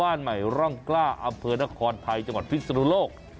บ้านใหม่ร่องกล้าอำเภอนครไทยจังหวัดพิศนุโลก